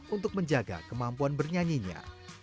untuk menjaga kemampuan bernyanyinya